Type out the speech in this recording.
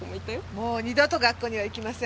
もう二度と学校には行きません。